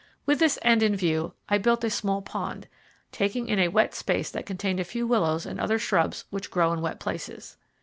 With this end in view I built a small pond, taking in a wet space that contained a few willows and other shrubs which grow in wet places.